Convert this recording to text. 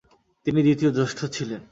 তিনি দ্বিতীয় জ্যেষ্ঠ ছিলেন।